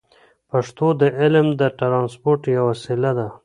پښتو د علم د ترانسپورت یوه وسیله ده.